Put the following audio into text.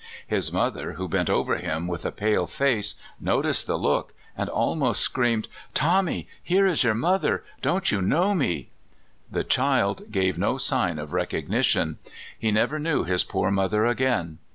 His mother, who bent over him with a pale face, noticed the look, and almost screamed: ' Tommy, here is your mother! Don't you know me? " The child gave no sign of recognition. He never knew his poor mother again.